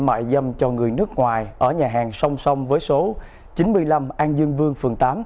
mại dâm cho người nước ngoài ở nhà hàng song song với số chín mươi năm an dương vương phường tám